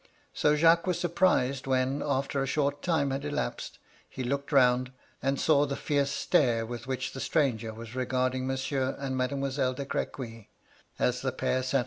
So Jacques was surprised when, after a short time had elapsed, he looked round, and saw the fierce stare with which the stranger was regarding Monsieur and Mademoiselle de Crequy, as the pair sat MY LADY LUDLOW.